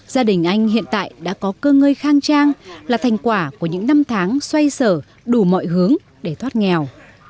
gia đình anh hiện tại đã có cơ ngơi khang trang là thành quả của những năm tháng xoay sở đủ mọi hướng để thoát nghèo